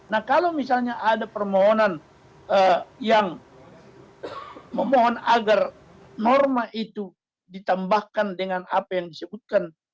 nah kalau misalnya ada permohonan yang memohon agar norma itu ditambahkan dengan apa yang disebutkan